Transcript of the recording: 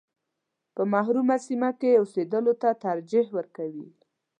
په محرومه سیمه کې اوسېدلو ته ترجیح ورکوي.